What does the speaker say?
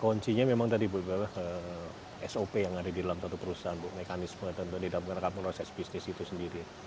koncinya memang tadi ibu sop yang ada di dalam satu perusahaan mekanisme tentu tidak mengenakan proses bisnis itu sendiri